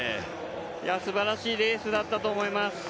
すばらしいレースだったと思います。